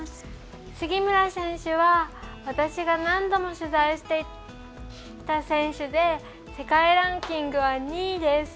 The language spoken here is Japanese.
杉村選手は私が何度も取材していた選手で世界ランキングは２位です。